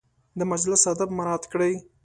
د مجلس اداب مراعت کړئ